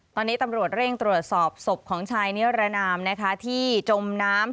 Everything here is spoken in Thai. ตอนนี้ตำรวจเร่งตรวจสอบศพของชายนิรนามนะคะที่จมน้ำ